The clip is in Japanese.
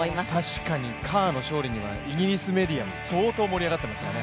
確かにカーの勝利にはイギリスメディアも相当盛り上がっていましたね。